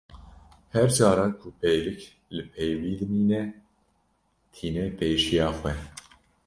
Her cara ku pêlik li pey wî dimîne, tîne pêşiya xwe.